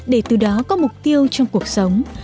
điều đó có mục tiêu trong cuộc sống